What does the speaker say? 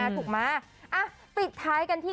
ถูกไหมปิดท้ายกันที่